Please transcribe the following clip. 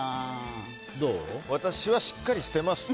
どう？